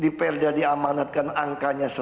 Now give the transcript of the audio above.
diperdadi amanatkan angkanya selama ini